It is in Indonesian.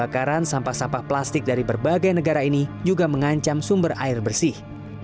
asap plastik dari berbagai negara ini juga mengancam sumber air bersih